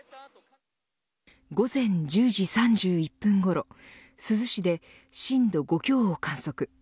午前１０時３１分ごろ珠洲市で震度５強を観測。